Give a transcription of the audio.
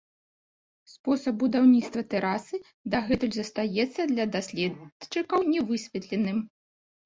Спосаб будаўніцтва тэрасы дагэтуль застаецца для даследчыкаў нявысветленым.